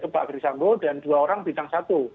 pak gerisambo dan dua orang bintang satu